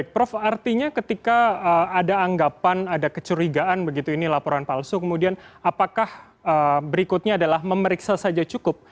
prof artinya ketika ada anggapan ada kecurigaan begitu ini laporan palsu kemudian apakah berikutnya adalah memeriksa saja cukup